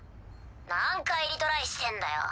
何回リトライしてんだよ。